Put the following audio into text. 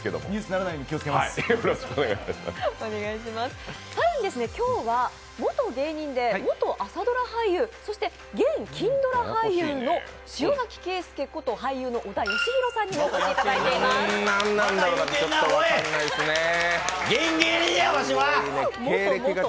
更に今日は元芸人で、元朝ドラ俳優、そして、現・金ドラ俳優の塩崎啓介こと、俳優の小田芳裕さんにお越しいただきました。